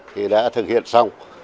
thì đã thực hiện xong